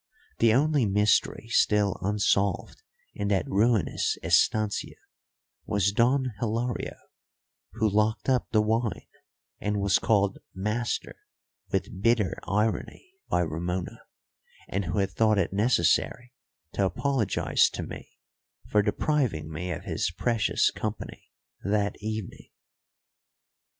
The only mystery still unsolved in that ruinous estancia was Don Hilario, who locked up the wine and was called master with bitter irony by Ramona, and who had thought it necessary to apologise to me for depriving me of his precious company that evening.